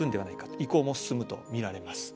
移行も進むとみられます。